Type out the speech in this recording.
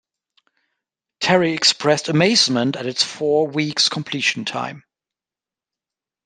Terry expressed amazement at its four weeks completion time.